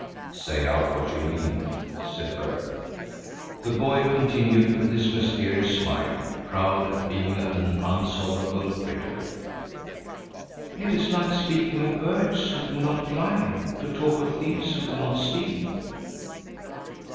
"Say out what you mean," said Berg. The boy continued with his mysterious smile, proud at being an unsolvable riddle: "It is like speaking of birds who do not fly, to talk of thieves who do not steal."